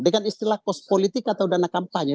dengan istilah kos politik atau dana kampanye